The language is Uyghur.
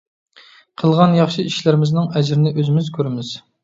قىلغان ياخشى ئىشلىرىمىزنىڭ ئەجرىنى ئۆزىمىز كۆرىمىز.